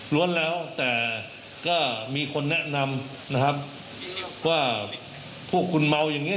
แล้วแต่ก็มีคนแนะนำนะครับว่าพวกคุณเมาอย่างนี้